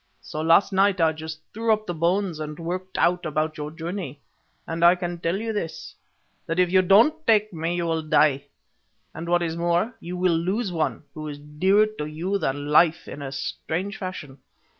So last night I just threw up the bones and worked out about your journey, and I can tell you this, that if you don't take me you will die, and, what is more, you will lose one who is dearer to you than life in a strange fashion.